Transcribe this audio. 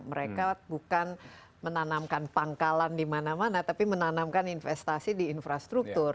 mereka bukan menanamkan pangkalan di mana mana tapi menanamkan investasi di infrastruktur